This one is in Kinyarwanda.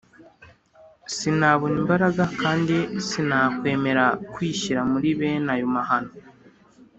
sinabona imbaraga kandi sinakwemera kwishyira muri bene ayo mahano.